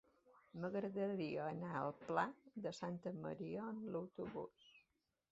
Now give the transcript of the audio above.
M'agradaria anar al Pla de Santa Maria amb autobús.